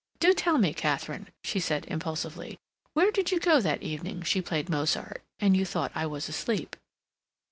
Do tell me, Katharine," she asked impulsively, "where did you go that evening she played Mozart, and you thought I was asleep?"